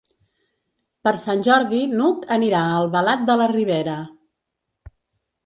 Per Sant Jordi n'Hug anirà a Albalat de la Ribera.